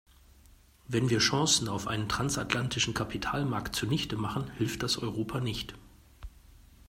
Wenn wir Chancen auf einen transatlantischen Kapitalmarkt zunichte machen, hilft das Europa nicht.